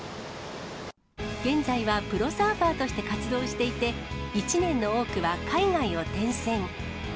現在はプロサーファーとして活動していて、１年の多くは海外を転戦。